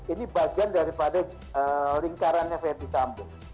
ini bagian daripada lingkarannya verdi sambo